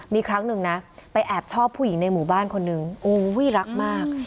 มีครั้งหนึ่งนะไปแอบชอบผู้หญิงในหมู่บ้านคนนึงโอ้ยรักมาก